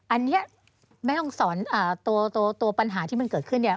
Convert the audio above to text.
อันนี้แม่ต้องสอนตัวปัญหาที่มันเกิดขึ้นเนี่ย